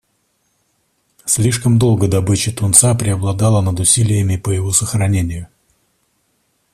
Слишком долго добыча тунца преобладала над усилиями по его сохранению.